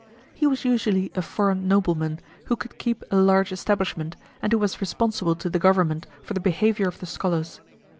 He was usually a foreign nobleman, who could keep a large establishment, and who was responsible to the government for the behaviour of the scholars.